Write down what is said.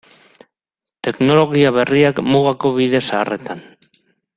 Teknologia berriak mugako bide zaharretan.